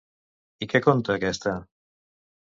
I què conta aquesta?